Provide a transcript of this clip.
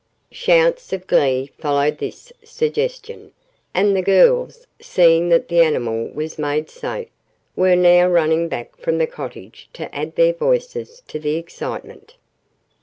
Shouts of glee followed this suggestion, and the girls, seeing that the animal was made safe, were now running back from the cottage to add their voices to the excitement.